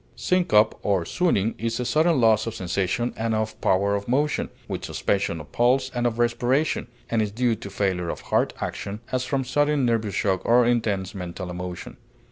Syncope or swooning is a sudden loss of sensation and of power of motion, with suspension of pulse and of respiration, and is due to failure of heart action, as from sudden nervous shock or intense mental emotion.